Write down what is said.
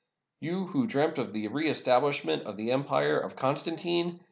You, who dreamt of the reestablishment of the Empire of Constantine!